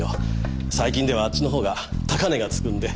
最近ではあっちの方が高値がつくんで。